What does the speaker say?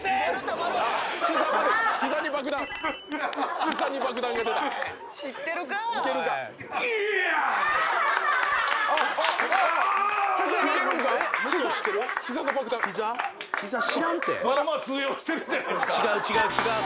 まあまあ通用してるじゃないっすか。